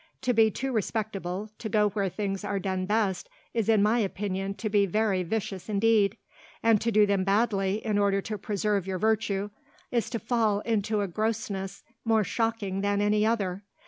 To be too respectable to go where things are done best is in my opinion to be very vicious indeed; and to do them badly in order to preserve your virtue is to fall into a grossness more shocking than any other.